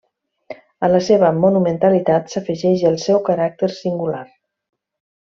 A la seva monumentalitat s'afegeix el seu caràcter singular.